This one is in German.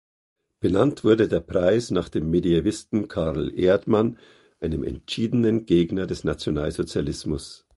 Benannt wurde der Preis nach dem Mediävisten Carl Erdmann, einem entschiedenen Gegner des Nationalsozialismus.